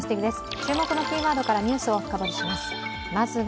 注目のキーワードからニュースを深掘りします。